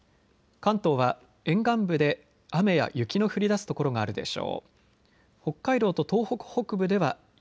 関東は沿岸部で雨や雪の降りだす所があるでしょう。